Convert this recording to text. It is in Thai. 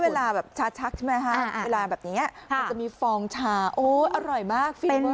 เวลาแบบชาชักใช่ไหมคะเวลาแบบนี้มันจะมีฟองชาโอ้อร่อยมากฟินมาก